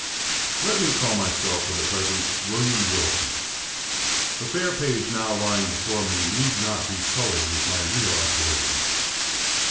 _ Let me call myself, for the present, William Wilson. The fair page now lying before me need not be sullied with my real appellation.